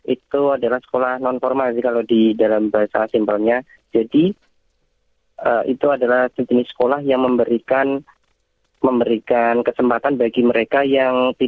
itu kalau dalam bahasa inggrisnya